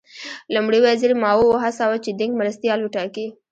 لومړي وزیر ماوو وهڅاوه چې دینګ مرستیال وټاکي.